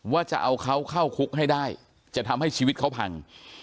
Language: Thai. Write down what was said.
ว่าจะเอาเขาเข้าคุกให้ได้จะทำให้ชีวิตเขาพัง